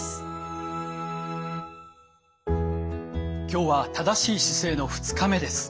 今日は正しい姿勢の２日目です。